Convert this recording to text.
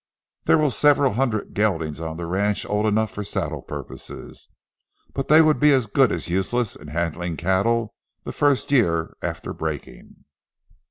There were several hundred geldings on the ranch old enough for saddle purposes, but they would be as good as useless in handling cattle the first year after breaking.